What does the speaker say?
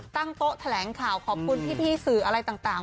ตั้งโต๊ะแถลงข่าวขอบคุณพี่สื่ออะไรต่าง